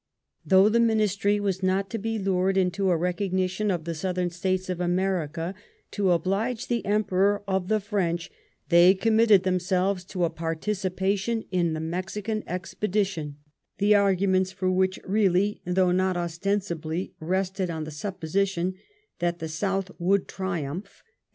Though the Ministry were not to be lured into a recog* nition of the Southern States of America to oblige the Emperor of the French, they committed themselves to a participation in the Mexican expedition, the argu ments for which really, though not ostensibly, rested on the supposition that the South would triumph, and FRANCE AND THE UNITED STATES.